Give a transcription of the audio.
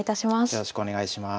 よろしくお願いします。